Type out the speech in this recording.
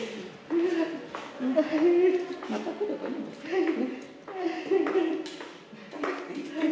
はい。